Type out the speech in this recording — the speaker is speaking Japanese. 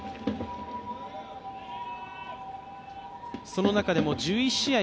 その中でも１１試合